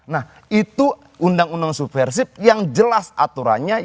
nah itu undang undang subversif yang jelas aturannya